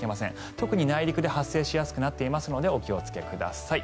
特に内陸で発生しやすくなっていますのでお気をつけください。